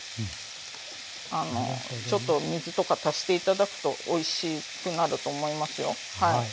ちょっと水とか足して頂くとおいしくなると思いますよはい。